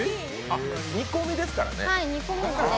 煮込みですからね。